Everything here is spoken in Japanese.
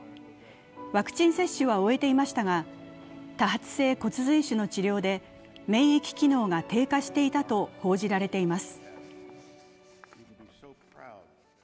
ワクチン接種は終えていましたが多発性骨髄腫の治療で免疫機能が低下していたと報じられています。